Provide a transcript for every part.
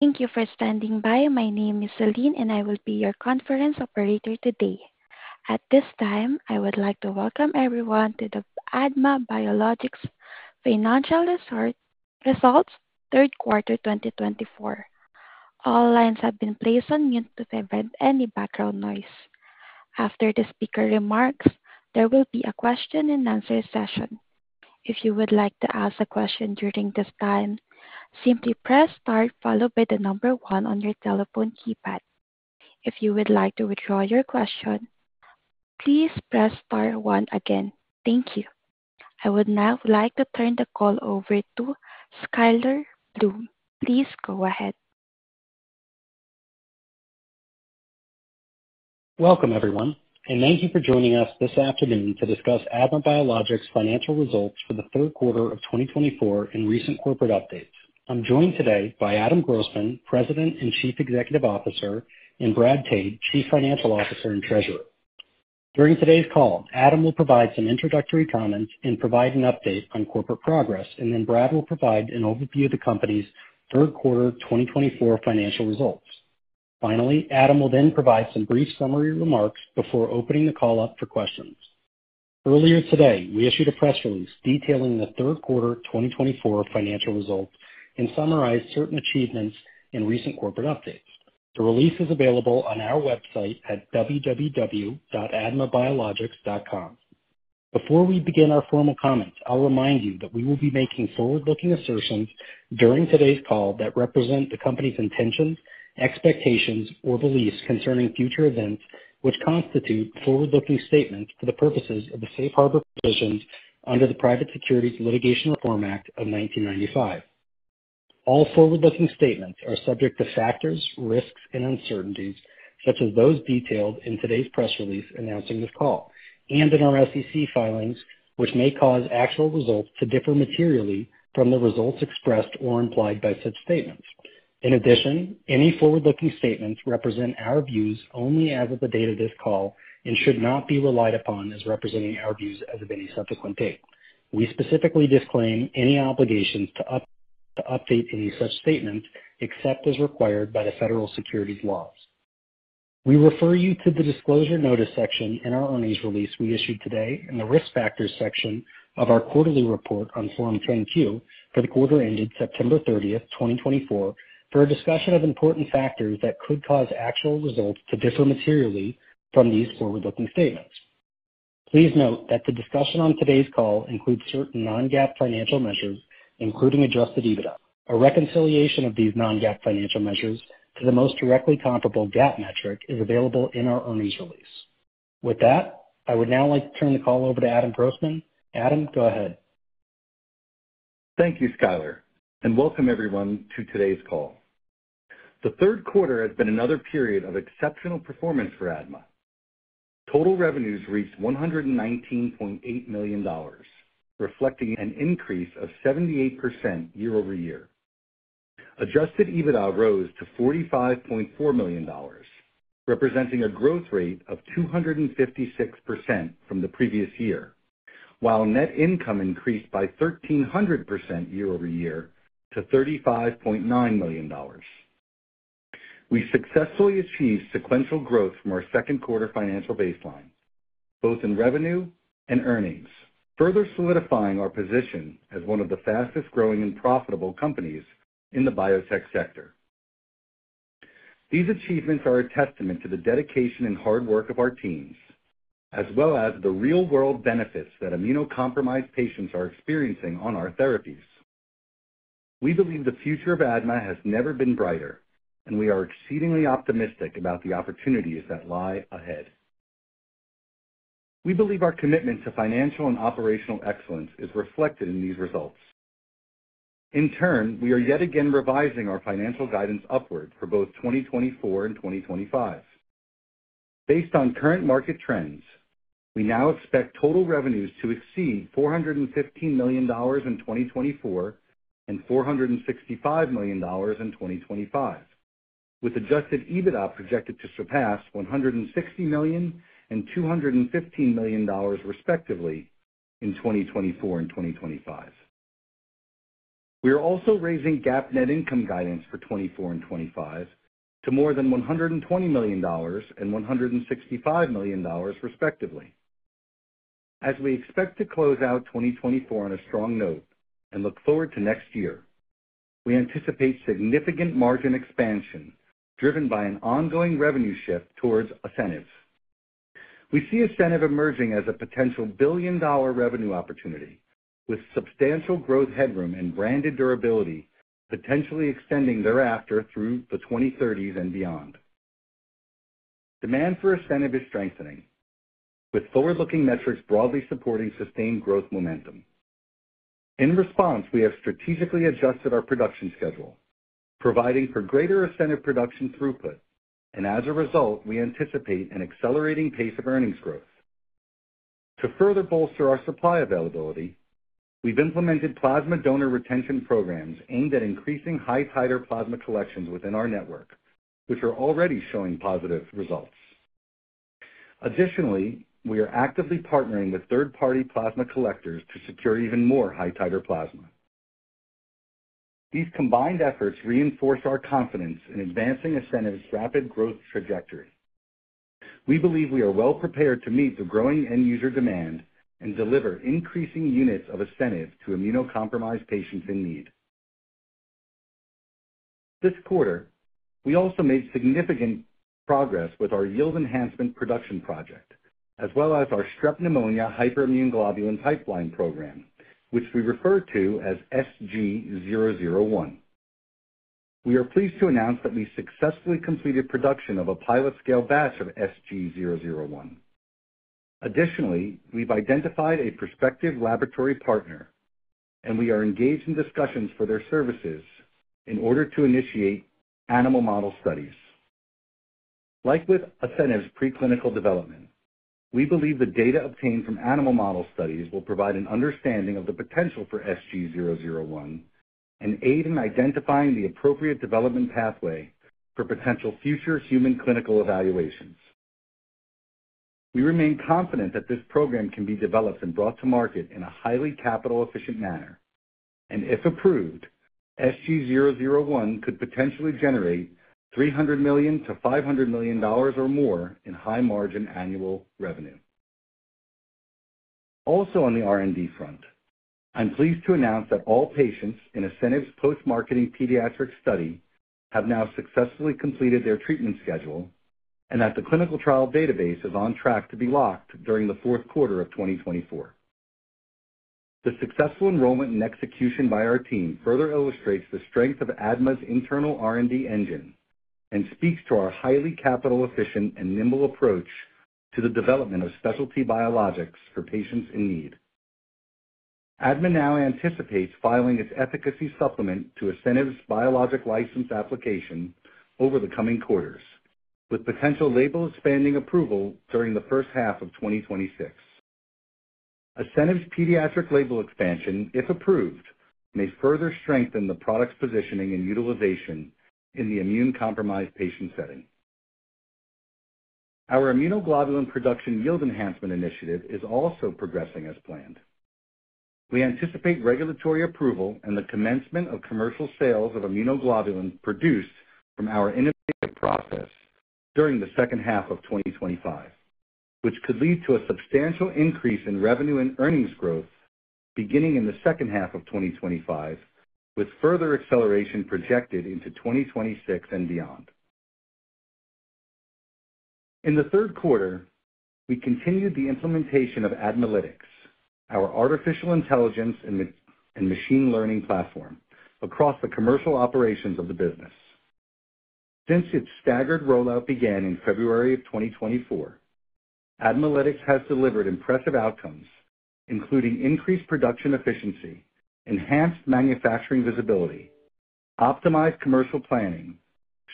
Thank you for standing by. My name is Celine, and I will be your conference operator today. At this time, I would like to welcome everyone to the ADMA Biologics financial results, third quarter 2024. All lines have been placed on mute to prevent any background noise. After the speaker remarks, there will be a question-and-answer session. If you would like to ask a question during this time, simply press star followed by the number one on your telephone keypad. If you would like to withdraw your question, please press star one again. Thank you. I would now like to turn the call over to Skyler Bloom. Please go ahead. Welcome, everyone, and thank you for joining us this afternoon to discuss ADMA Biologics' financial results for the third quarter of 2024 and recent corporate updates. I'm joined today by Adam Grossman, President and Chief Executive Officer, and Brad Tade, Chief Financial Officer and Treasurer. During today's call, Adam will provide some introductory comments and provide an update on corporate progress, and then Brad will provide an overview of the company's third quarter 2024 financial results. Finally, Adam will then provide some brief summary remarks before opening the call up for questions. Earlier today, we issued a press release detailing the third-quarter 2024 financial results and summarized certain achievements and recent corporate updates. The release is available on our website at www.admabiologics.com. Before we begin our formal comments, I'll remind you that we will be making forward-looking assertions during today's call that represent the company's intentions, expectations, or beliefs concerning future events, which constitute forward-looking statements for the purposes of the Safe Harbor provisions under the Private Securities Litigation Reform Act of 1995. All forward-looking statements are subject to factors, risks, and uncertainties such as those detailed in today's press release announcing this call and in our SEC filings, which may cause actual results to differ materially from the results expressed or implied by such statements. In addition, any forward-looking statements represent our views only as of the date of this call and should not be relied upon as representing our views as of any subsequent date. We specifically disclaim any obligations to update any such statements except as required by the federal securities laws. We refer you to the disclosure notice section in our earnings release we issued today and the risk factors section of our quarterly report on Form 10-Q for the quarter ended September 30th, 2024, for a discussion of important factors that could cause actual results to differ materially from these forward-looking statements. Please note that the discussion on today's call includes certain non-GAAP financial measures, including adjusted EBITDA. A reconciliation of these non-GAAP financial measures to the most directly comparable GAAP metric is available in our earnings release. With that, I would now like to turn the call over to Adam Grossman. Adam, go ahead. Thank you, Skyler, and welcome everyone to today's call. The third quarter has been another period of exceptional performance for ADMA. Total revenues reached $119.8 million, reflecting an increase of 78% year-over-year. Adjusted EBITDA rose to $45.4 million, representing a growth rate of 256% from the previous year, while net income increased by 1,300% year over year to $35.9 million. We successfully achieved sequential growth from our second-quarter financial baseline, both in revenue and earnings, further solidifying our position as one of the fastest-growing and profitable companies in the biotech sector. These achievements are a testament to the dedication and hard work of our teams, as well as the real-world benefits that immunocompromised patients are experiencing on our therapies. We believe the future of ADMA has never been brighter, and we are exceedingly optimistic about the opportunities that lie ahead. We believe our commitment to financial and operational excellence is reflected in these results. In turn, we are yet again revising our financial guidance upward for both 2024 and 2025. Based on current market trends, we now expect total revenues to exceed $415 million in 2024 and $465 million in 2025, with adjusted EBITDA projected to surpass $160 million and $215 million, respectively, in 2024 and 2025. We are also raising GAAP net income guidance for 2024 and 2025 to more than $120 million and $165 million, respectively. As we expect to close out 2024 on a strong note and look forward to next year, we anticipate significant margin expansion driven by an ongoing revenue shift towards Asceniv. We see Asceniv emerging as a potential billion-dollar revenue opportunity, with substantial growth headroom and branded durability potentially extending thereafter through the 2030s and beyond. Demand for Asceniv is strengthening, with forward-looking metrics broadly supporting sustained growth momentum. In response, we have strategically adjusted our production schedule, providing for greater Asceniv production throughput, and as a result, we anticipate an accelerating pace of earnings growth. To further bolster our supply availability, we've implemented plasma donor retention programs aimed at increasing high-titer plasma collections within our network, which are already showing positive results. Additionally, we are actively partnering with third-party plasma collectors to secure even more high-titer plasma. These combined efforts reinforce our confidence in advancing Asceniv's rapid growth trajectory. We believe we are well prepared to meet the growing end-user demand and deliver increasing units of Asceniv to immunocompromised patients in need. This quarter, we also made significant progress with our yield enhancement production project, as well as our strep pneumonia hyperimmune globulin pipeline program, which we refer to as SG-001. We are pleased to announce that we successfully completed production of a pilot-scale batch of SG-001. Additionally, we've identified a prospective laboratory partner, and we are engaged in discussions for their services in order to initiate animal model studies. Like with Asceniv's preclinical development, we believe the data obtained from animal model studies will provide an understanding of the potential for SG-001 and aid in identifying the appropriate development pathway for potential future human clinical evaluations. We remain confident that this program can be developed and brought to market in a highly capital-efficient manner, and if approved, SG-001 could potentially generate $300 million-$500 million or more in high-margin annual revenue. Also on the R&D front, I'm pleased to announce that all patients in Asceniv's post-marketing pediatric study have now successfully completed their treatment schedule and that the clinical trial database is on track to be locked during the fourth quarter of 2024. The successful enrollment and execution by our team further illustrates the strength of ADMA's internal R&D engine and speaks to our highly capital-efficient and nimble approach to the development of specialty biologics for patients in need. ADMA now anticipates filing its efficacy supplement to Asceniv's Biologics License Application over the coming quarters, with potential label expanding approval during the first half of 2026. Asceniv's pediatric label expansion, if approved, may further strengthen the product's positioning and utilization in the immunocompromised patient setting. Our immunoglobulin production yield enhancement initiative is also progressing as planned. We anticipate regulatory approval and the commencement of commercial sales of immunoglobulin produced from our innovative process during the second half of 2025, which could lead to a substantial increase in revenue and earnings growth beginning in the second half of 2025, with further acceleration projected into 2026 and beyond. In the third quarter, we continued the implementation of ADMAlytics, our artificial intelligence and machine learning platform, across the commercial operations of the business. Since its staggered rollout began in February of 2024, ADMAlytics has delivered impressive outcomes, including increased production efficiency, enhanced manufacturing visibility, optimized commercial planning,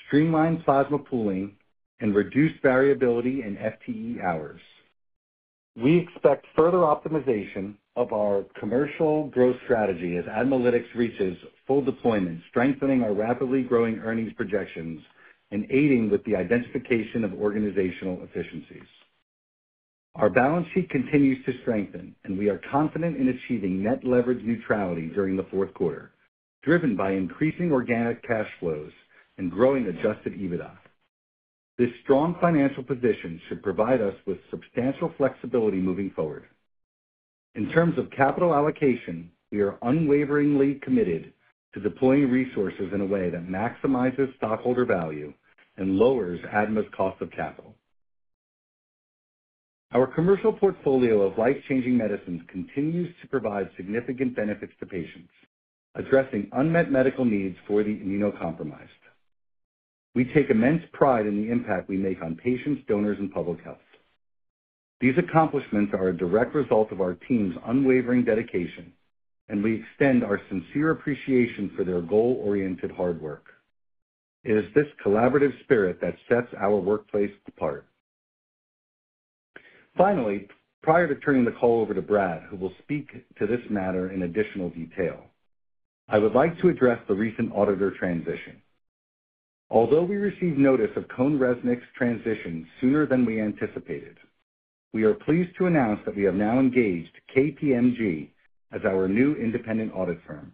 streamlined plasma pooling, and reduced variability in FTE hours. We expect further optimization of our commercial growth strategy as ADMAlytics reaches full deployment, strengthening our rapidly growing earnings projections and aiding with the identification of organizational efficiencies. Our balance sheet continues to strengthen, and we are confident in achieving net leverage neutrality during the fourth quarter, driven by increasing organic cash flows and growing adjusted EBITDA. This strong financial position should provide us with substantial flexibility moving forward. In terms of capital allocation, we are unwaveringly committed to deploying resources in a way that maximizes stockholder value and lowers ADMA's cost of capital. Our commercial portfolio of life-changing medicines continues to provide significant benefits to patients, addressing unmet medical needs for the immunocompromised. We take immense pride in the impact we make on patients, donors, and public health. These accomplishments are a direct result of our team's unwavering dedication, and we extend our sincere appreciation for their goal-oriented hard work. It is this collaborative spirit that sets our workplace apart. Finally, prior to turning the call over to Brad, who will speak to this matter in additional detail, I would like to address the recent auditor transition. Although we received notice of CohnReznick's transition sooner than we anticipated, we are pleased to announce that we have now engaged KPMG as our new independent audit firm.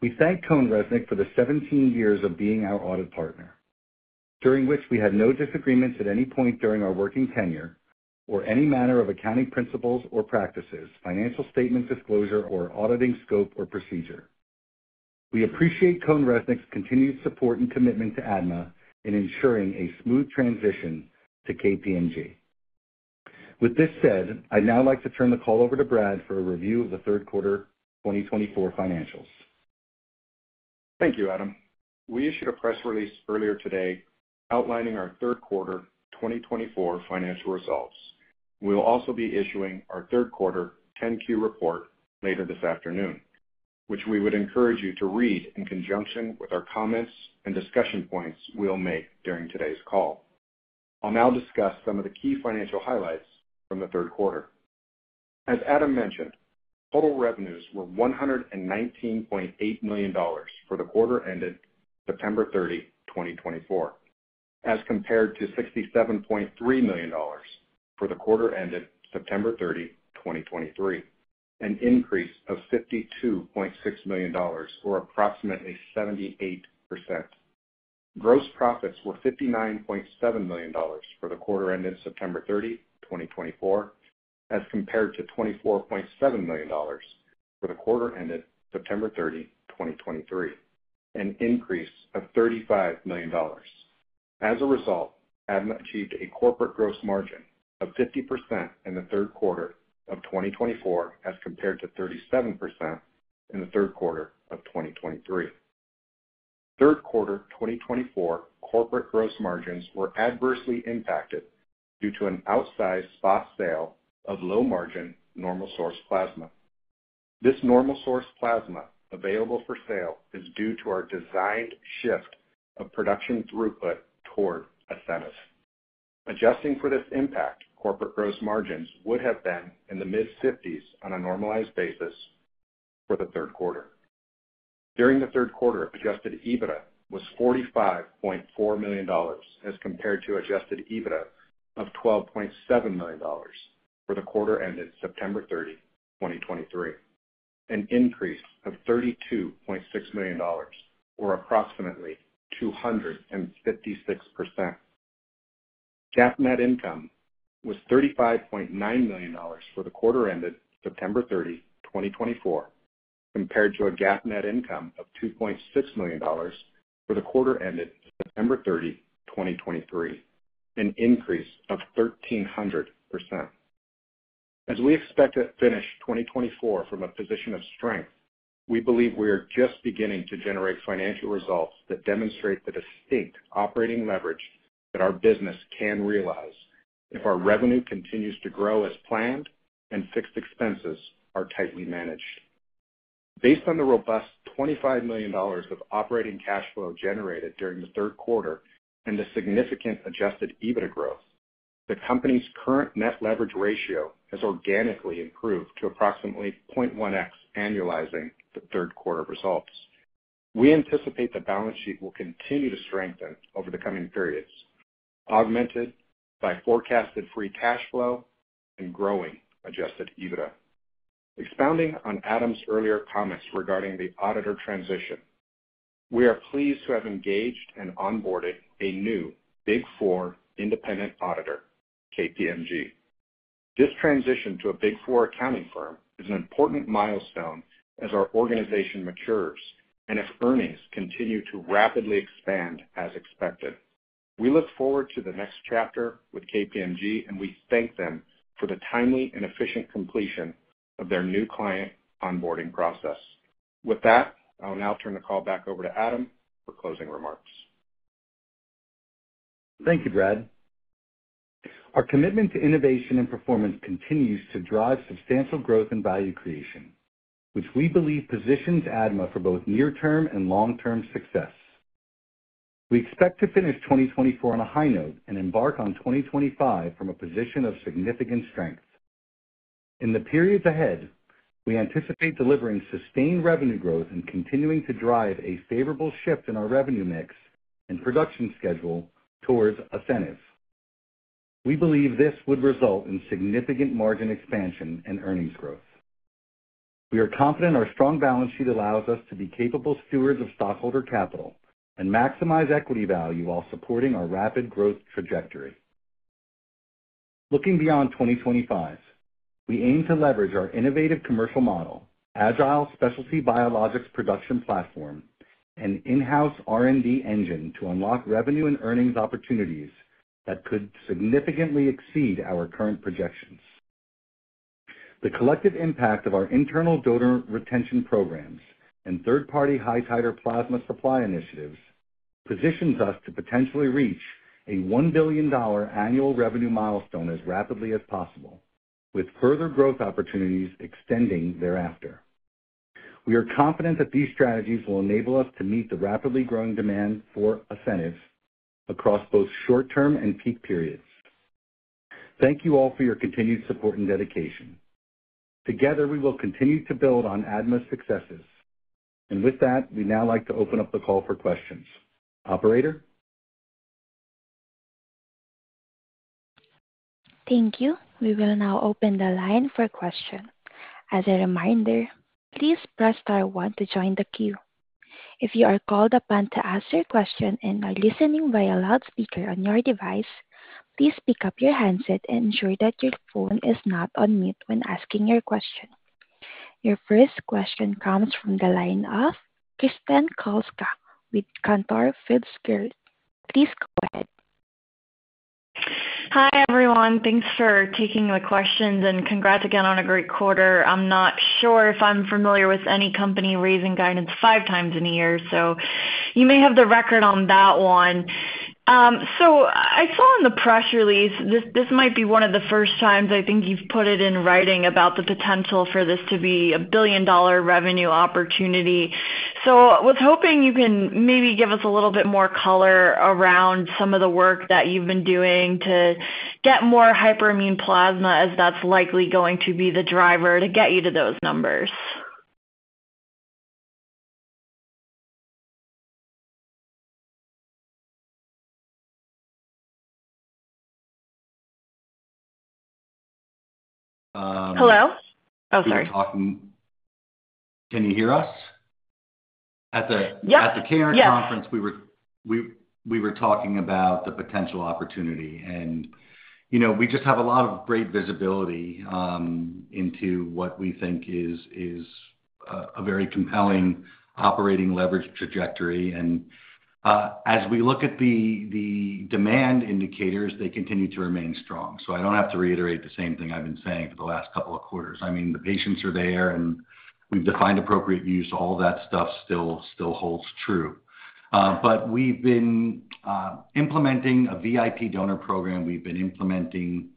We thank CohnReznick for the 17 years of being our audit partner, during which we had no disagreements at any point during our working tenure or any manner of accounting principles or practices, financial statements disclosure, or auditing scope or procedure. We appreciate CohnReznick's continued support and commitment to ADMA in ensuring a smooth transition to KPMG. With this said, I'd now like to turn the call over to Brad for a review of the third quarter 2024 financials. Thank you, Adam. We issued a press release earlier today outlining our third quarter 2024 financial results. We'll also be issuing our third-quarter 10-Q report later this afternoon, which we would encourage you to read in conjunction with our comments and discussion points we'll make during today's call. I'll now discuss some of the key financial highlights from the third quarter. As Adam mentioned, total revenues were $119.8 million for the quarter ended September 30, 2024, as compared to $67.3 million for the quarter ended September 30, 2023, an increase of $52.6 million, or approximately 78%. Gross profits were $59.7 million for the quarter ended September 30, 2024, as compared to $24.7 million for the quarter ended September 30, 2023, an increase of $35 million. As a result, ADMA achieved a corporate gross margin of 50% in the third quarter of 2024 as compared to 37% in the third quarter of 2023. Third quarter 2024 corporate gross margins were adversely impacted due to an outsized spot sale of low-margin normal source plasma. This normal source plasma available for sale is due to our designed shift of production throughput toward Asceniv. Adjusting for this impact, corporate gross margins would have been in the mid-50s on a normalized basis for the third quarter. During the third quarter, adjusted EBITDA was $45.4 million as compared to adjusted EBITDA of $12.7 million for the quarter ended September 30, 2023, an increase of $32.6 million, or approximately 256%. GAAP net income was $35.9 million for the quarter ended September 30, 2024, compared to a GAAP net income of $2.6 million for the quarter ended September 30, 2023, an increase of 1,300%. As we expect to finish 2024 from a position of strength, we believe we are just beginning to generate financial results that demonstrate the distinct operating leverage that our business can realize if our revenue continues to grow as planned and fixed expenses are tightly managed. Based on the robust $25 million of operating cash flow generated during the third quarter and the significant adjusted EBITDA growth, the company's current net leverage ratio has organically improved to approximately 0.1x annualizing the third quarter results. We anticipate the balance sheet will continue to strengthen over the coming periods, augmented by forecasted free cash flow and growing Adjusted EBITDA. Expounding on Adam's earlier comments regarding the auditor transition, we are pleased to have engaged and onboarded a new Big 4 independent auditor, KPMG. This transition to a Big 4 accounting firm is an important milestone as our organization matures and if earnings continue to rapidly expand as expected. We look forward to the next chapter with KPMG, and we thank them for the timely and efficient completion of their new client onboarding process. With that, I'll now turn the call back over to Adam for closing remarks. Thank you, Brad. Our commitment to innovation and performance continues to drive substantial growth and value creation, which we believe positions ADMA for both near-term and long-term success. We expect to finish 2024 on a high note and embark on 2025 from a position of significant strength. In the periods ahead, we anticipate delivering sustained revenue growth and continuing to drive a favorable shift in our revenue mix and production schedule towards Asceniv. We believe this would result in significant margin expansion and earnings growth. We are confident our strong balance sheet allows us to be capable stewards of stockholder capital and maximize equity value while supporting our rapid growth trajectory. Looking beyond 2025, we aim to leverage our innovative commercial model, agile specialty biologics production platform, and in-house R&D engine to unlock revenue and earnings opportunities that could significantly exceed our current projections. The collective impact of our internal donor retention programs and third-party high-titer plasma supply initiatives positions us to potentially reach a $1 billion annual revenue milestone as rapidly as possible, with further growth opportunities extending thereafter. We are confident that these strategies will enable us to meet the rapidly growing demand for Asceniv across both short-term and peak periods. Thank you all for your continued support and dedication. Together, we will continue to build on ADMA's successes. And with that, we'd now like to open up the call for questions. Operator? Thank you. We will now open the line for questions. As a reminder, please press star one to join the queue. If you are called upon to ask your question and are listening via loudspeaker on your device, please pick up your handset and ensure that your phone is not on mute when asking your question. Your first question comes from the line of Kristen Kluska with Cantor Fitzgerald. Please go ahead. Hi, everyone. Thanks for taking the questions, and congrats again on a great quarter. I'm not sure if I'm familiar with any company raising guidance five times in a year, so you may have the record on that one. So I saw in the press release, this might be one of the first times I think you've put it in writing about the potential for this to be a billion-dollar revenue opportunity. So I was hoping you can maybe give us a little bit more color around some of the work that you've been doing to get more hyperimmune plasma, as that's likely going to be the driver to get you to those numbers. Hello? Oh, sorry. We were talking. Can you hear us? Yes. At the Cantor conference, we were talking about the potential opportunity. And we just have a lot of great visibility into what we think is a very compelling operating leverage trajectory. And as we look at the demand indicators, they continue to remain strong. So I don't have to reiterate the same thing I've been saying for the last couple of quarters. I mean, the patients are there, and we've defined appropriate use. All that stuff still holds true. But we've been implementing a VIP donor program. We've been implementing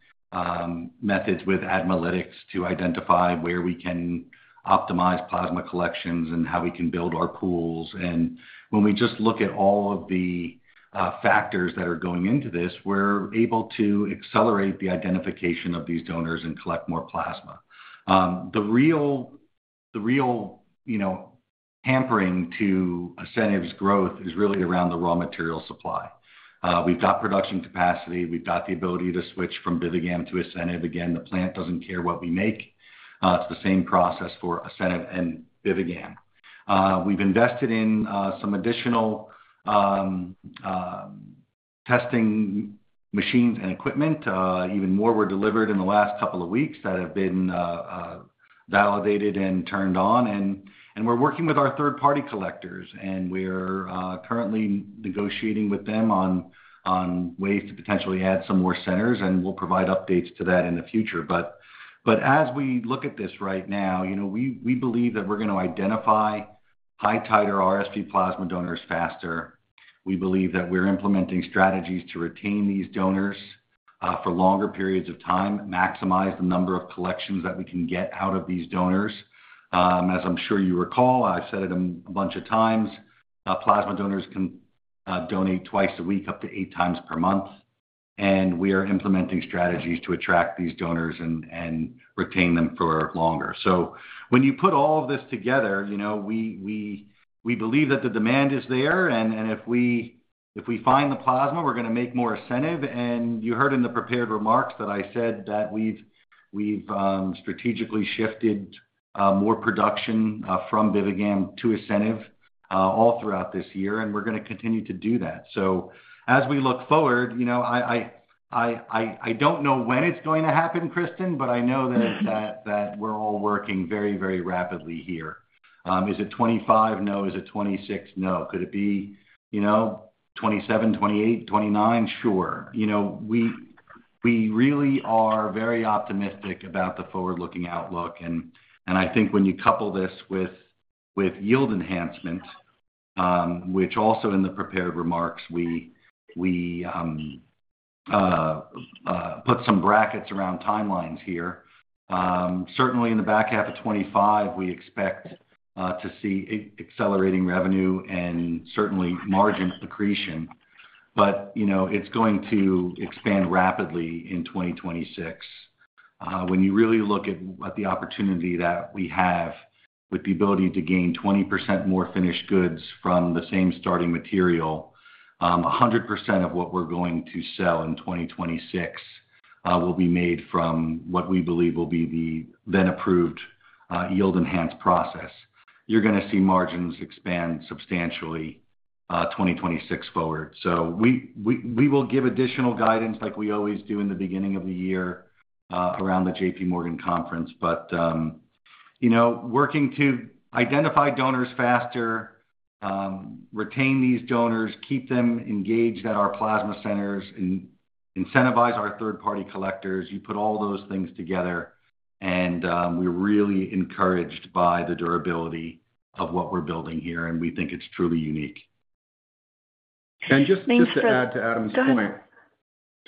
methods with ADMAlytics to identify where we can optimize plasma collections and how we can build our pools. And when we just look at all of the factors that are going into this, we're able to accelerate the identification of these donors and collect more plasma. The real hampering to Asceniv's growth is really around the raw material supply. We've got production capacity. We've got the ability to switch from Bivigam to Asceniv. Again, the plant doesn't care what we make. It's the same process for Asceniv and Bivigam. We've invested in some additional testing machines and equipment. Even more were delivered in the last couple of weeks that have been validated and turned on, and we're working with our third-party collectors, and we're currently negotiating with them on ways to potentially add some more centers, and we'll provide updates to that in the future, but as we look at this right now, we believe that we're going to identify high-titer RSV plasma donors faster. We believe that we're implementing strategies to retain these donors for longer periods of time, maximize the number of collections that we can get out of these donors. As I'm sure you recall, I've said it a bunch of times, plasma donors can donate twice a week up to eight times per month, and we are implementing strategies to attract these donors and retain them for longer. So when you put all of this together, we believe that the demand is there. And if we find the plasma, we're going to make more Asceniv. And you heard in the prepared remarks that I said that we've strategically shifted more production from Bivigam to Asceniv all throughout this year, and we're going to continue to do that. So as we look forward, I don't know when it's going to happen, Kristen, but I know that we're all working very, very rapidly here. Is it 2025? No. Is it 2026? No. Could it be 2027, 2028, 2029? Sure. We really are very optimistic about the forward-looking outlook. And I think when you couple this with yield enhancement, which also in the prepared remarks, we put some brackets around timelines here. Certainly, in the back half of 2025, we expect to see accelerating revenue and certainly margin accretion. But it's going to expand rapidly in 2026. When you really look at the opportunity that we have with the ability to gain 20% more finished goods from the same starting material, 100% of what we're going to sell in 2026 will be made from what we believe will be the then-approved yield-enhanced process. You're going to see margins expand substantially 2026 forward. So we will give additional guidance like we always do in the beginning of the year around the JPMorgan Conference. But working to identify donors faster, retain these donors, keep them engaged at our plasma centers, and incentivize our third-party collectors. You put all those things together, and we're really encouraged by the durability of what we're building here, and we think it's truly unique. Just to add to Adam's point. Thank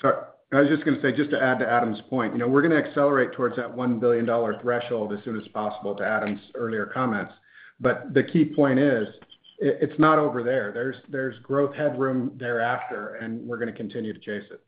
you. I was just going to say, just to add to Adam's point, we're going to accelerate towards that $1-billion threshold as soon as possible to Adam's earlier comments. But the key point is it's not over there. There's growth headroom thereafter, and we're going to continue to chase it.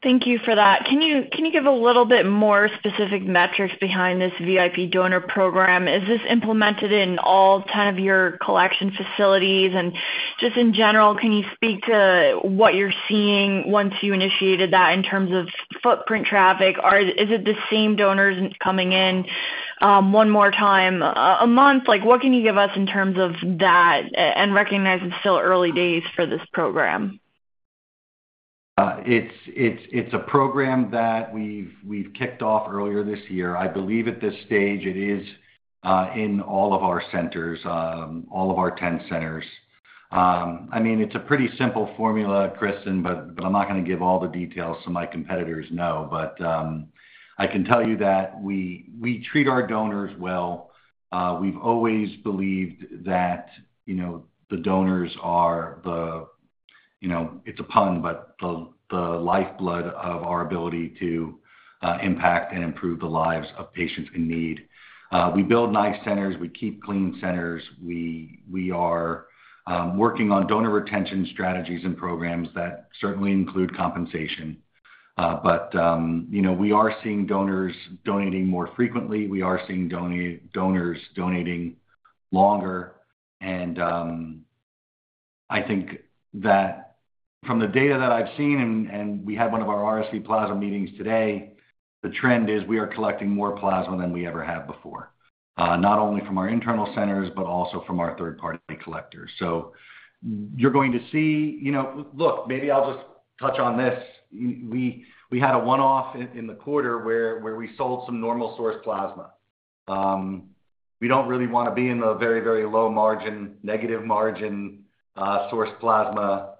Thank you for that. Can you give a little bit more specific metrics behind this VIP donor program? Is this implemented in all 10 of your collection facilities? And just in general, can you speak to what you're seeing once you initiated that in terms of foot traffic? Is it the same donors coming in one more time a month? What can you give us in terms of that? And recognize it's still early days for this program. It's a program that we've kicked off earlier this year. I believe at this stage, it is in all of our centers, all of our 10 centers. I mean, it's a pretty simple formula, Kristen, but I'm not going to give all the details so my competitors know. But I can tell you that we treat our donors well. We've always believed that the donors are the - it's a pun - but the lifeblood of our ability to impact and improve the lives of patients in need. We build nice centers. We keep clean centers. We are working on donor retention strategies and programs that certainly include compensation. But we are seeing donors donating more frequently. We are seeing donors donating longer. And I think that from the data that I've seen, and we had one of our RSV plasma meetings today, the trend is we are collecting more plasma than we ever have before, not only from our internal centers but also from our third-party collectors. So you're going to see. Look, maybe I'll just touch on this. We had a one-off in the quarter where we sold some normal source plasma. We don't really want to be in the very, very low-margin, negative-margin source plasma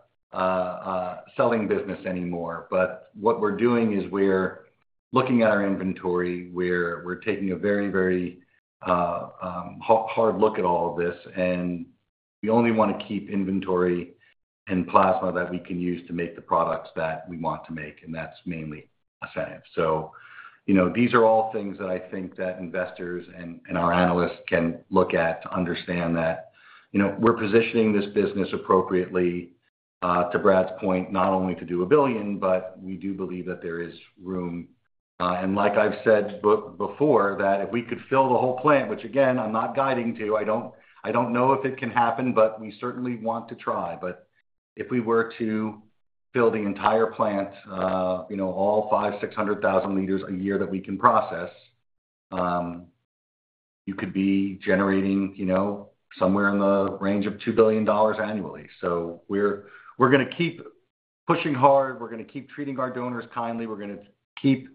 selling business anymore. But what we're doing is we're looking at our inventory. We're taking a very, very hard look at all of this. And we only want to keep inventory and plasma that we can use to make the products that we want to make, and that's mainly Asceniv. So these are all things that I think that investors and our analysts can look at to understand that we're positioning this business appropriately, to Brad's point, not only to do $1 billion, but we do believe that there is room. And like I've said before, that if we could fill the whole plant, which again, I'm not guiding to, I don't know if it can happen, but we certainly want to try. But if we were to fill the entire plant, all 5,600,000 liters a year that we can process, you could be generating somewhere in the range of $2 billion annually. So we're going to keep pushing hard. We're going to keep treating our donors kindly. We're going to keep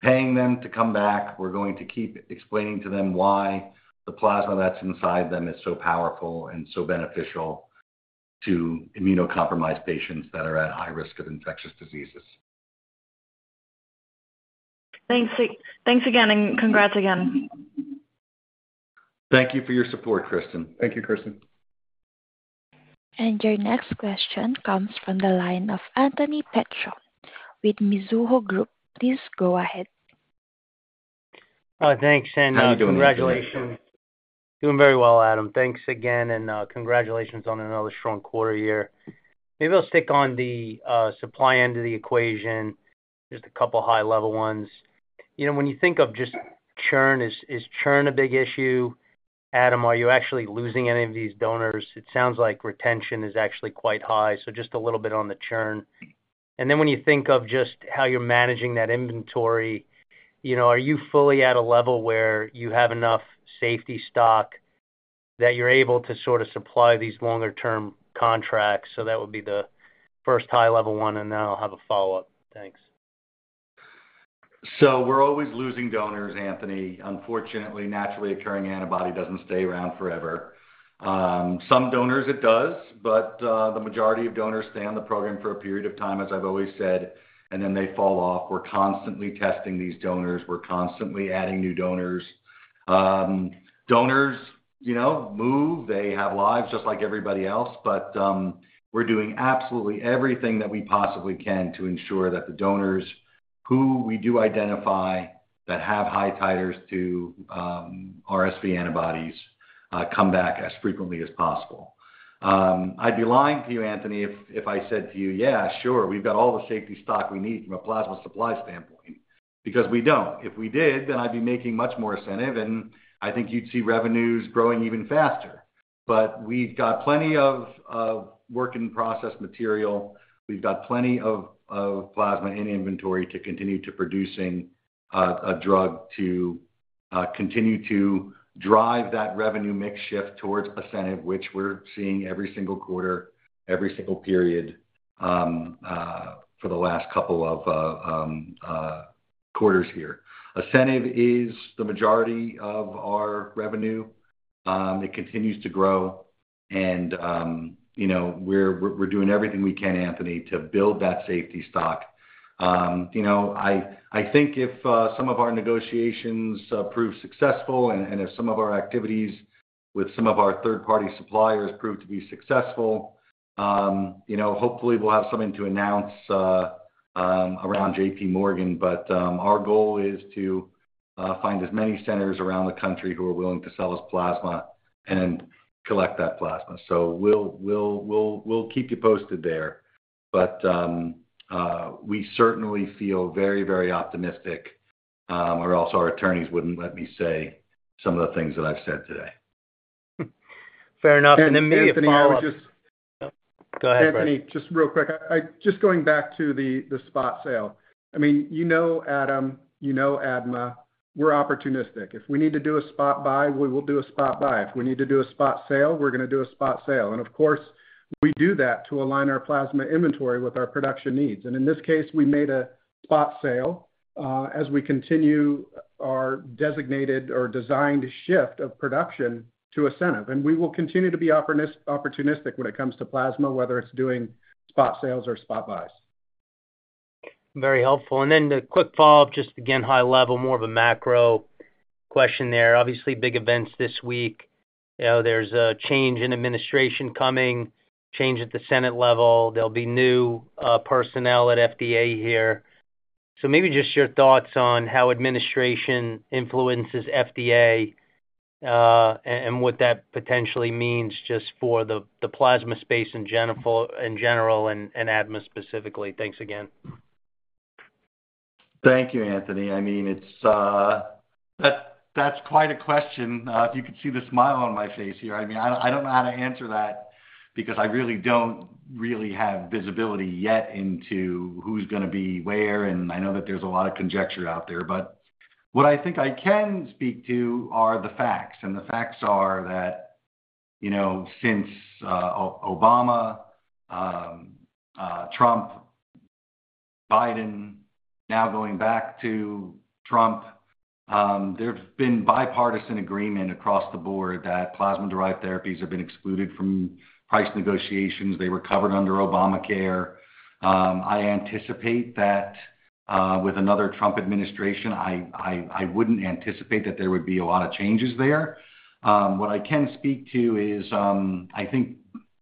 paying them to come back. We're going to keep explaining to them why the plasma that's inside them is so powerful and so beneficial to immunocompromised patients that are at high risk of infectious diseases. Thanks again, and congrats again. Thank you for your support, Kristen. Thank you, Kristen. And your next question comes from the line of Anthony Petrone with Mizuho Group. Please go ahead. Thanks. And congratulations. How you doing? Doing very well, Adam. Thanks again, and congratulations on another strong quarter here. Maybe I'll stick on the supply end of the equation, just a couple of high-level ones. When you think of just churn, is churn a big issue? Adam, are you actually losing any of these donors? It sounds like retention is actually quite high, so just a little bit on the churn. And then when you think of just how you're managing that inventory, are you fully at a level where you have enough safety stock that you're able to sort of supply these longer-term contracts? So that would be the first high-level one, and then I'll have a follow-up. Thanks. So we're always losing donors, Anthony. Unfortunately, naturally occurring antibody doesn't stay around forever. Some donors, it does, but the majority of donors stay on the program for a period of time, as I've always said, and then they fall off. We're constantly testing these donors. We're constantly adding new donors. Donors move. They have lives just like everybody else. But we're doing absolutely everything that we possibly can to ensure that the donors who we do identify that have high titers to RSV antibodies come back as frequently as possible. I'd be lying to you, Anthony, if I said to you, "Yeah, sure. We've got all the safety stock we need from a plasma supply standpoint," because we don't. If we did, then I'd be making much more Asceniv, and I think you'd see revenues growing even faster. But we've got plenty of work-in-process material. We've got plenty of plasma in inventory to continue to produce a drug to continue to drive that revenue mix shift towards Asceniv, which we're seeing every single quarter, every single period for the last couple of quarters here. Asceniv is the majority of our revenue. It continues to grow. And we're doing everything we can, Anthony, to build that safety stock. I think if some of our negotiations prove successful and if some of our activities with some of our third-party suppliers prove to be successful, hopefully, we'll have something to announce around JPMorgan. But our goal is to find as many centers around the country who are willing to sell us plasma and collect that plasma. So we'll keep you posted there. But we certainly feel very, very optimistic. Or else our attorneys wouldn't let me say some of the things that I've said today. Fair enough. And then me as well. Anthony, I was just. Go ahead, Brad. Anthony, just real quick, just going back to the spot sale. I mean, you know Adam, you know ADMA, we're opportunistic. If we need to do a spot buy, we will do a spot buy. If we need to do a spot sale, we're going to do a spot sale. And of course, we do that to align our plasma inventory with our production needs. And in this case, we made a spot sale as we continue our designated or designed shift of production to Asceniv. And we will continue to be opportunistic when it comes to plasma, whether it's doing spot sales or spot buys. Very helpful. And then a quick follow-up, just again, high-level, more of a macro question there. Obviously, big events this week. There's a change in administration coming, change at the cabinet level. There'll be new personnel at FDA here. Maybe just your thoughts on how administration influences FDA and what that potentially means just for the plasma space in general and ADMA specifically? Thanks again. Thank you, Anthony. I mean, that's quite a question. If you could see the smile on my face here, I mean, I don't know how to answer that because I really don't have visibility yet into who's going to be where, and I know that there's a lot of conjecture out there. But what I think I can speak to are the facts, and the facts are that since Obama, Trump, Biden, now going back to Trump, there's been bipartisan agreement across the board that plasma-derived therapies have been excluded from price negotiations. They were covered under Obamacare. I anticipate that with another Trump administration, I wouldn't anticipate that there would be a lot of changes there. What I can speak to is, I think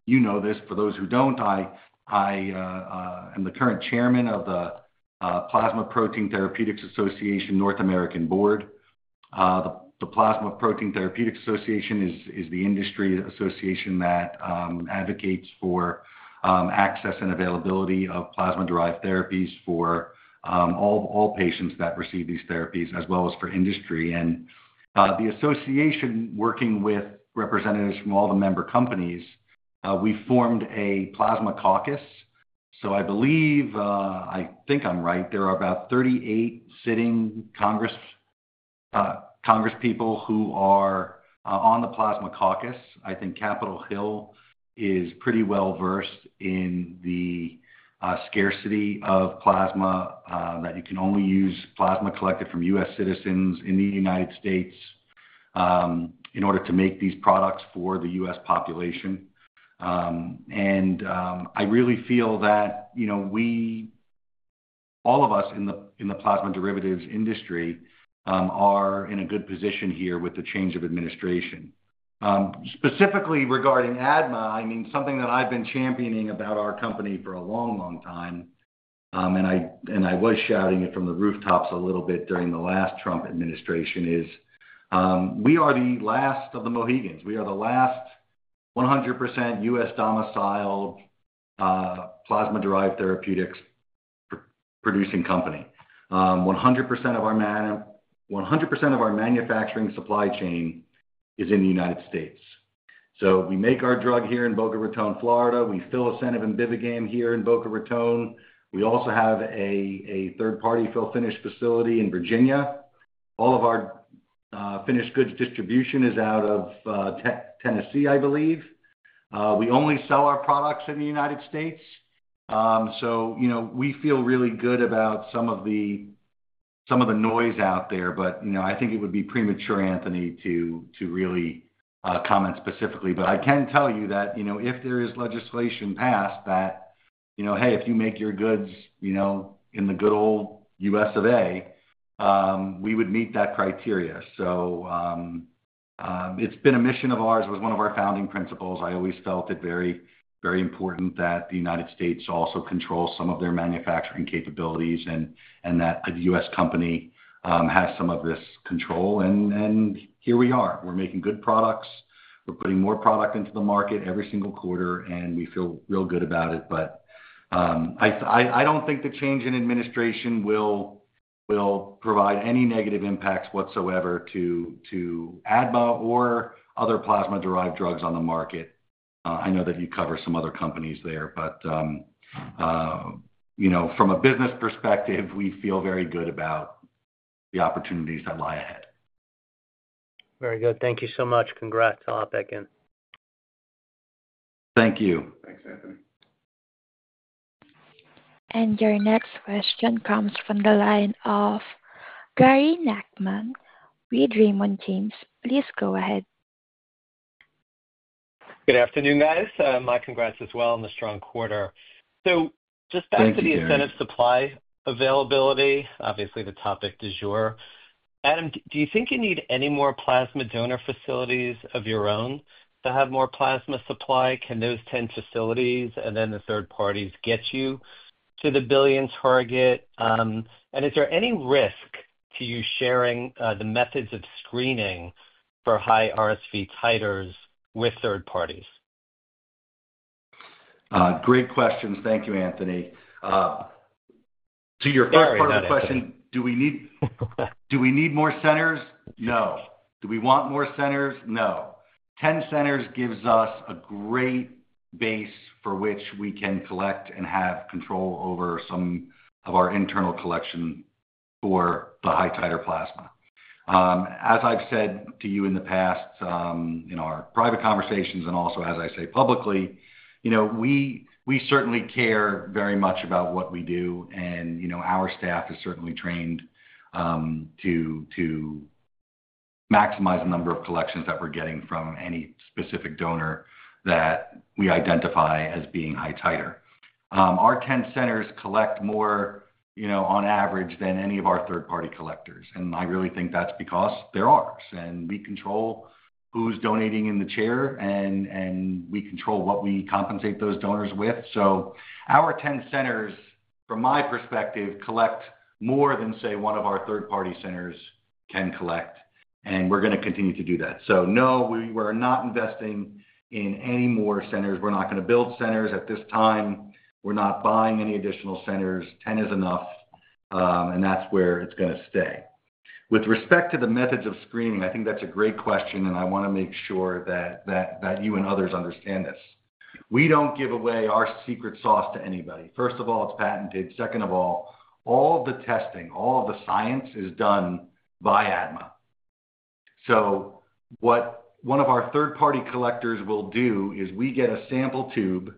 you know this. For those who don't, I am the current chairman of the Plasma Protein Therapeutics Association North American Board. The Plasma Protein Therapeutics Association is the industry association that advocates for access and availability of plasma-derived therapies for all patients that receive these therapies, as well as for industry, and the association working with representatives from all the member companies, we formed a plasma caucus, so I believe, I think I'm right, there are about 38 sitting congresspeople who are on the Plasma Caucus. I think Capitol Hill is pretty well-versed in the scarcity of plasma, that you can only use plasma collected from U.S. citizens in the United States in order to make these products for the U.S. population, and I really feel that all of us in the plasma derivatives industry are in a good position here with the change of administration. Specifically regarding ADMA, I mean, something that I've been championing about our company for a long, long time, and I was shouting it from the rooftops a little bit during the last Trump administration, is we are the last of the Mohicans. We are the last 100% U.S. domiciled plasma-derived therapeutics producing company. 100% of our manufacturing supply chain is in the United States. So we make our drug here in Boca Raton, Florida. We fill Asceniv and Bivigam here in Boca Raton. We also have a third-party fill-finish facility in Virginia. All of our finished goods distribution is out of Tennessee, I believe. We only sell our products in the United States. So we feel really good about some of the noise out there. But I think it would be premature, Anthony, to really comment specifically. But I can tell you that if there is legislation passed that, "Hey, if you make your goods in the good old U.S. of A," we would meet that criteria. So it's been a mission of ours. It was one of our founding principles. I always felt it very, very important that the United States also control some of their manufacturing capabilities and that a U.S. company has some of this control. And here we are. We're making good products. We're putting more product into the market every single quarter, and we feel real good about it. But I don't think the change in administration will provide any negative impacts whatsoever to ADMA or other plasma-derived drugs on the market. I know that you cover some other companies there. But from a business perspective, we feel very good about the opportunities that lie ahead. Very good. Thank you so much. Congrats. I'll hop back in. Thank you. Thanks, Anthony. And your next question comes from the line of Gary Nachman with Raymond James. Please go ahead. Good afternoon, guys. My congrats as well on the strong quarter. So just back to the incentive supply availability, obviously the topic du jour. Adam, do you think you need any more plasma donor facilities of your own to have more plasma supply? Can those 10 facilities and then the third parties get you to the billion target? And is there any risk to you sharing the methods of screening for high-RSV titers with third parties? Great questions. Thank you, Anthony. To your first part of the question, do we need more centers? No. Do we want more centers? No. 10 centers gives us a great base for which we can collect and have control over some of our internal collection for the high-titer plasma. As I've said to you in the past in our private conversations and also as I say publicly, we certainly care very much about what we do. And our staff is certainly trained to maximize the number of collections that we're getting from any specific donor that we identify as being high-titer. Our 10 centers collect more on average than any of our third-party collectors. And I really think that's because there are. And we control who's donating in the chair, and we control what we compensate those donors with. Our 10 centers, from my perspective, collect more than, say, one of our third-party centers can collect. And we're going to continue to do that. No, we are not investing in any more centers. We're not going to build centers at this time. We're not buying any additional centers. 10 is enough. And that's where it's going to stay. With respect to the methods of screening, I think that's a great question, and I want to make sure that you and others understand this. We don't give away our secret sauce to anybody. First of all, it's patented. Second of all, all of the testing, all of the science is done by ADMA. So what one of our third-party collectors will do is we get a sample tube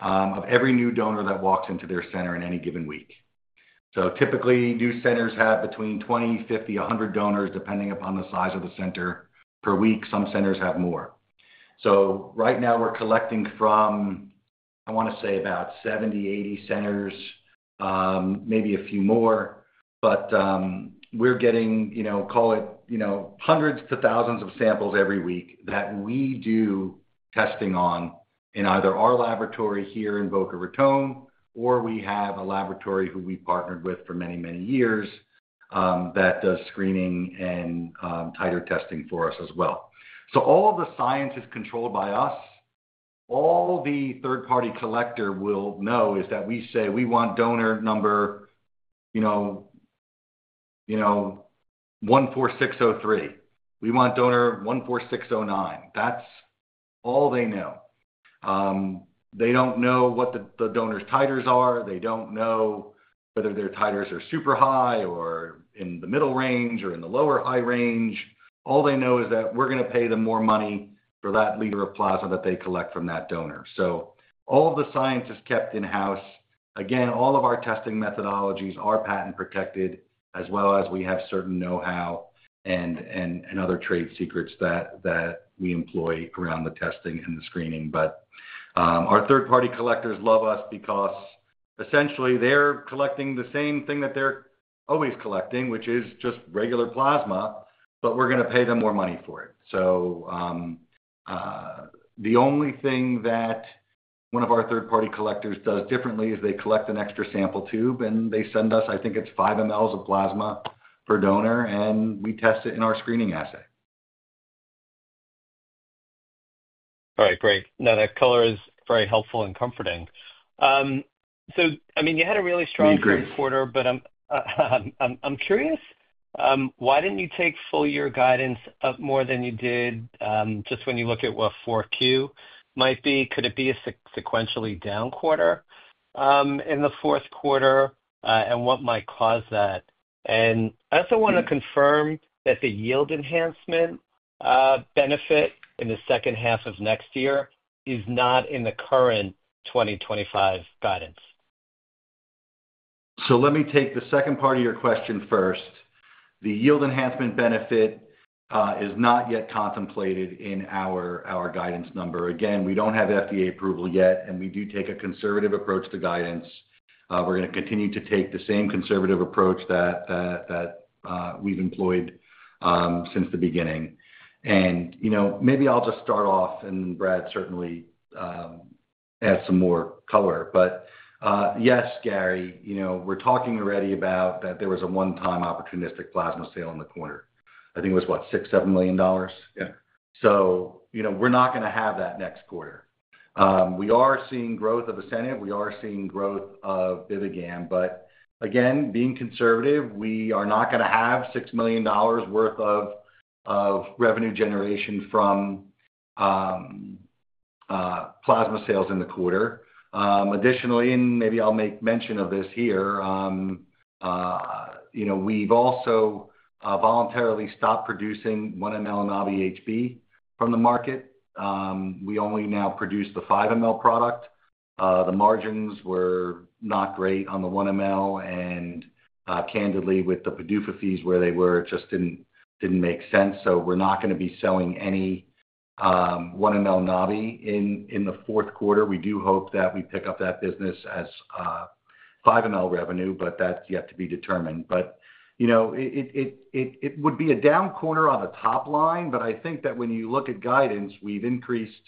of every new donor that walks into their center in any given week. So typically, new centers have between 20, 50, 100 donors, depending upon the size of the center per week. Some centers have more. So right now, we're collecting from, I want to say, about 70, 80 centers, maybe a few more. But we're getting, call it hundreds to thousands of samples every week that we do testing on in either our laboratory here in Boca Raton, or we have a laboratory who we partnered with for many, many years that does screening and titer testing for us as well. So all of the science is controlled by us. All the third-party collector will know is that we say, "We want donor number 14603. We want donor 14609." That's all they know. They don't know what the donor's titers are. They don't know whether their titers are super high, or in the middle range, or in the lower high range. All they know is that we're going to pay them more money for that liter of plasma that they collect from that donor. So all of the science is kept in-house. Again, all of our testing methodologies are patent-protected, as well as we have certain know-how and other trade secrets that we employ around the testing and the screening. But our third-party collectors love us because, essentially, they're collecting the same thing that they're always collecting, which is just regular plasma, but we're going to pay them more money for it. So the only thing that one of our third-party collectors does differently is they collect an extra sample tube, and they send us, I think it's five mLs of plasma per donor, and we test it in our screening assay. All right. Great. No, that color is very helpful and comforting. So, I mean, you had a really strong third quarter, but I'm curious, why didn't you take full-year guidance up more than you did just when you look at what 4Q might be? Could it be a sequentially down quarter in the fourth quarter? And what might cause that? And I also want to confirm that the yield enhancement benefit in the second half of next year is not in the current 2025 guidance. So let me take the second part of your question first. The yield enhancement benefit is not yet contemplated in our guidance number. Again, we don't have FDA approval yet, and we do take a conservative approach to guidance. We're going to continue to take the same conservative approach that we've employed since the beginning. And maybe I'll just start off, and then Brad certainly adds some more color. But yes, Gary, we're talking already about that there was a one-time opportunistic plasma sale in the quarter. I think it was, what, $6-$7 million? Yeah. So we're not going to have that next quarter. We are seeing growth of Asceniv. We are seeing growth of Bivigam. But again, being conservative, we are not going to have $6 million worth of revenue generation from plasma sales in the quarter. Additionally, and maybe I'll make mention of this here, we've also voluntarily stopped producing 1 mL of Nabi-HB from the market. We only now produce the 5 mL product. The margins were not great on the 1 mL. And candidly, with the PDUFA fees where they were, it just didn't make sense. So we're not going to be selling any 1 mL Nabi-HB in the fourth quarter. We do hope that we pick up that business as 5 mL revenue, but that's yet to be determined. But it would be a down quarter on the top line. But I think that when you look at guidance, we've increased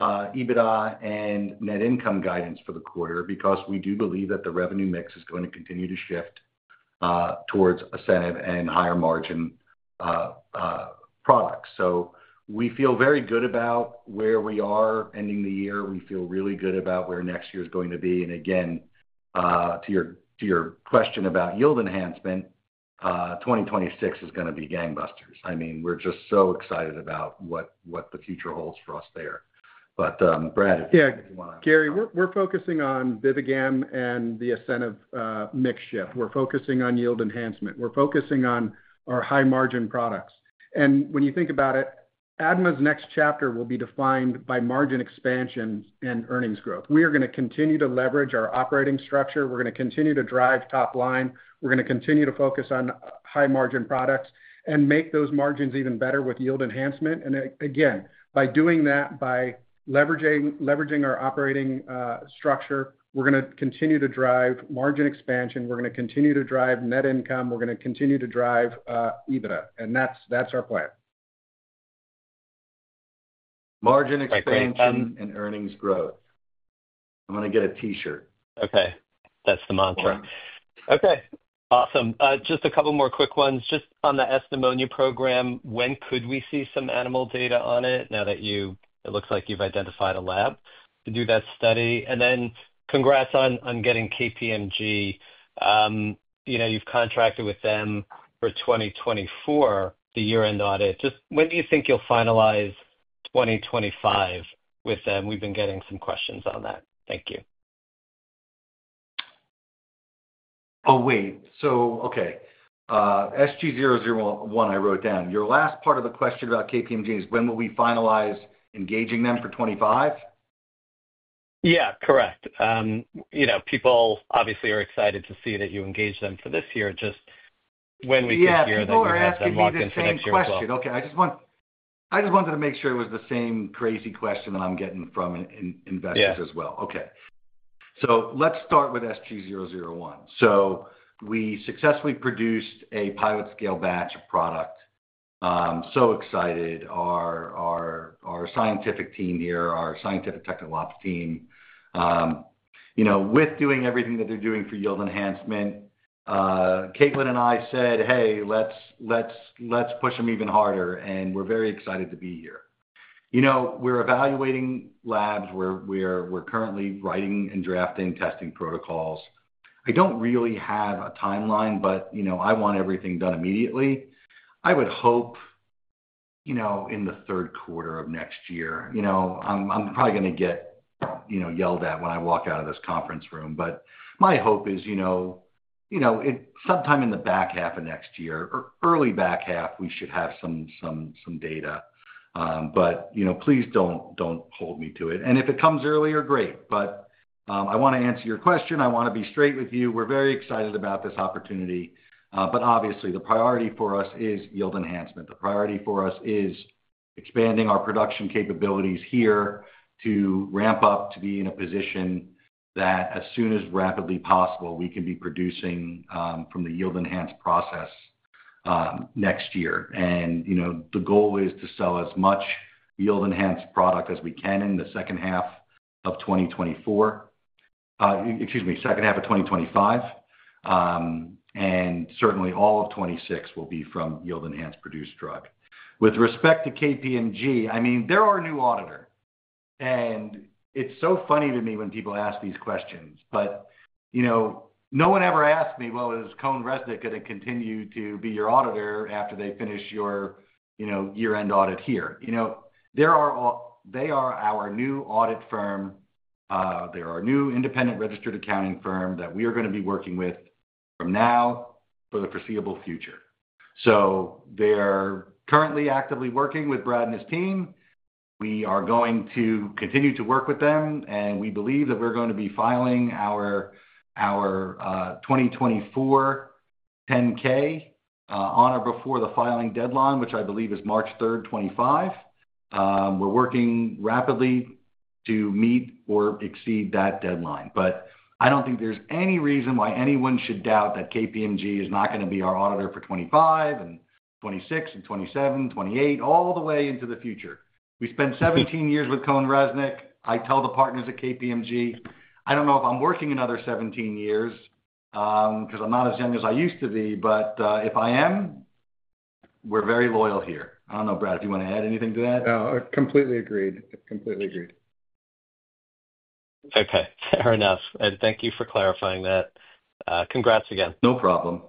EBITDA and net income guidance for the quarter because we do believe that the revenue mix is going to continue to shift towards Asceniv and higher margin products. So we feel very good about where we are ending the year. We feel really good about where next year is going to be. And again, to your question about yield enhancement, 2026 is going to be gangbusters. I mean, we're just so excited about what the future holds for us there. But Brad, if you want to. Yeah. Gary, we're focusing on Bivigam and the Asceniv mix shift. We're focusing on yield enhancement. We're focusing on our high-margin products. And when you think about it, ADMA's next chapter will be defined by margin expansion and earnings growth. We are going to continue to leverage our operating structure. We're going to continue to drive top line. We're going to continue to focus on high-margin products and make those margins even better with yield enhancement. And again, by doing that, by leveraging our operating structure, we're going to continue to drive margin expansion. We're going to continue to drive net income. We're going to continue to drive EBITDA. And that's our plan. Margin expansion and earnings growth. I'm going to get a t-shirt. Okay. That's the mantra. Okay. Awesome. Just a couple more quick ones. Just on the pneumonia program, when could we see some animal data on it now that it looks like you've identified a lab to do that study? And then congrats on getting KPMG. You've contracted with them for 2024, the year-end audit. Just when do you think you'll finalize 2025 with them? We've been getting some questions on that. Thank you. Oh, wait. So okay. SG-001, I wrote down. Your last part of the question about KPMG is, when will we finalize engaging them for 2025? Yeah. Correct. People obviously are excited to see that you engage them for this year. Just when we get here that you'll walk into next year as well. Okay. I just wanted to make sure it was the same crazy question that I'm getting from investors as well. Okay. Let's start with SG-001. We successfully produced a pilot-scale batch of product. Excited. Our scientific team here, our scientific technology team, with doing everything that they're doing for yield enhancement, Caitlin and I said, "Hey, let's push them even harder." We're very excited to be here. We're evaluating labs. We're currently writing and drafting testing protocols. I don't really have a timeline, but I want everything done immediately. I would hope in the third quarter of next year. I'm probably going to get yelled at when I walk out of this conference room. My hope is sometime in the back half of next year or early back half; we should have some data. But please don't hold me to it. And if it comes earlier, great. But I want to answer your question. I want to be straight with you. We're very excited about this opportunity. But obviously, the priority for us is yield enhancement. The priority for us is expanding our production capabilities here to ramp up to be in a position that as soon as rapidly possible, we can be producing from the yield-enhanced process next year. And the goal is to sell as much yield-enhanced product as we can in the second half of 2024, excuse me, second half of 2025. And certainly, all of 2026 will be from yield-enhanced produced drug. With respect to KPMG, I mean, they're our new auditor. And it's so funny to me when people ask these questions. But no one ever asked me, "Well, is CohnReznick going to continue to be your auditor after they finish your year-end audit here?" They are our new audit firm. They are our new independent registered accounting firm that we are going to be working with from now for the foreseeable future. So they're currently actively working with Brad and his team. We are going to continue to work with them. And we believe that we're going to be filing our 2024 10-K on or before the filing deadline, which I believe is March 3rd, 2025. We're working rapidly to meet or exceed that deadline. But I don't think there's any reason why anyone should doubt that KPMG is not going to be our auditor for 2025 and 2026 and 2027, 2028, all the way into the future. We spent 17 years with CohnReznick. I tell the partners at KPMG, "I don't know if I'm working another 17 years because I'm not as young as I used to be." But if I am, we're very loyal here. I don't know, Brad, if you want to add anything to that. No. Completely agreed. Completely agreed. Okay. Fair enough. And thank you for clarifying that. Congrats again. No problem.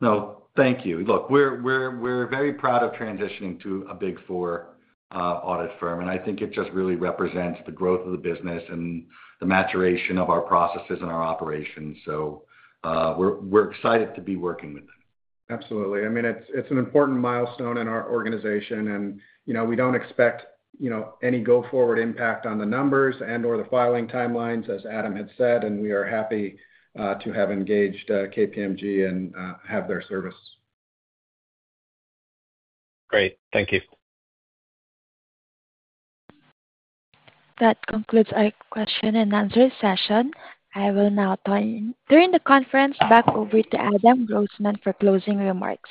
No. Thank you. Look, we're very proud of transitioning to a Big 4 audit firm, and I think it just really represents the growth of the business and the maturation of our processes and our operations, so we're excited to be working with them. Absolutely. I mean, it's an important milestone in our organization. And we don't expect any go-forward impact on the numbers and/or the filing timelines, as Adam had said. And we are happy to have engaged KPMG and have their service. Great. Thank you. That concludes our question-and-answer session. I will now turn the conference back over to Adam Grossman for closing remarks.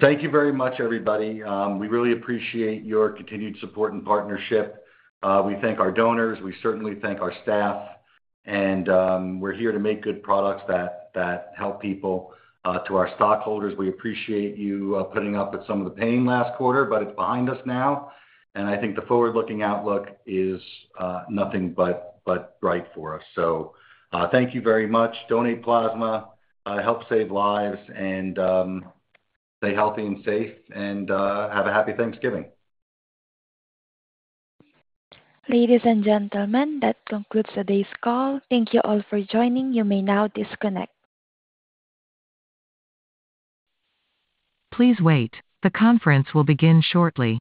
Thank you very much, everybody. We really appreciate your continued support and partnership. We thank our donors. We certainly thank our staff. And we're here to make good products that help people. To our stockholders, we appreciate you putting up with some of the pain last quarter, but it's behind us now. And I think the forward-looking outlook is nothing but bright for us. So thank you very much. Donate plasma, help save lives, and stay healthy and safe. And have a happy Thanksgiving. Ladies and gentlemen, that concludes today's call. Thank you all for joining. You may now disconnect. Please wait. The conference will begin shortly.